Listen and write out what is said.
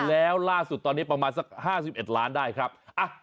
แล้วล่าสุดตอนนี้ประมาณสักห้าสิบเอ็ดล้านได้ครับอ่ะ